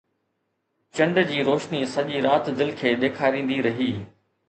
چنڊ جي روشني سڄي رات دل کي ڏيکاريندي رهي